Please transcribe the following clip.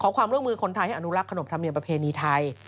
ความร่วมมือคนไทยให้อนุลักษนบธรรมเนียมประเพณีไทย